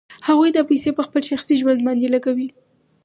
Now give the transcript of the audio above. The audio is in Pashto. هغوی دا پیسې په خپل شخصي ژوند باندې لګوي